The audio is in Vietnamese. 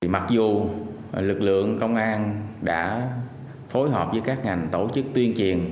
mặc dù lực lượng công an đã phối hợp với các ngành tổ chức tuyên truyền